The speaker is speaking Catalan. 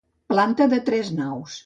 Planta de tres naus.